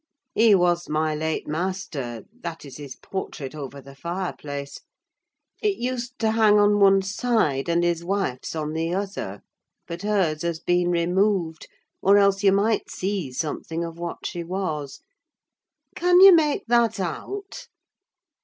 He was my late master: that is his portrait over the fireplace. It used to hang on one side, and his wife's on the other; but hers has been removed, or else you might see something of what she was. Can you make that out?